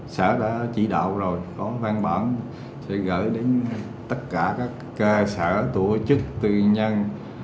xã đã chỉ đạo rồi có văn bản sẽ gửi đến tất cả các cơ sở tổ chức tư nhân